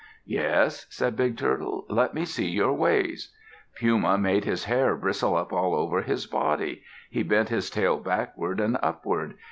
"Yes?" said Big Turtle. "Let me see your ways." Puma made his hair bristle up all over his body. He bent his tail backward and upward.